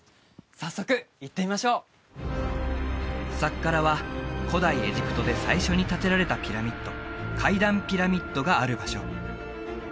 早速行ってみましょうサッカラは古代エジプトで最初に建てられたピラミッド階段ピラミッドがある場所